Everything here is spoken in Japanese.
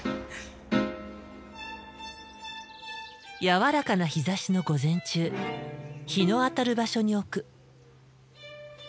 やわらかな日ざしの午前中日の当たる場所に置く。